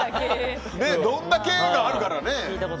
どんだけがあるからね。